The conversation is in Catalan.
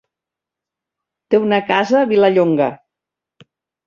Té una casa a Vilallonga.